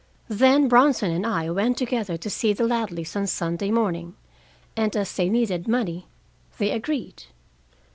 Then Bronson and I went together to see the Ladleys on Sunday morning, and as they needed money, they agreed.